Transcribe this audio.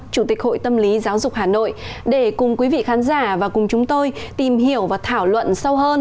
chủ tịch hội tâm lý giáo dục hà nội để cùng quý vị khán giả và cùng chúng tôi tìm hiểu và thảo luận sâu hơn